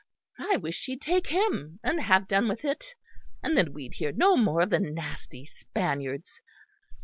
I wish she'd take him and have done with it. And then we'd hear no more of the nasty Spaniards.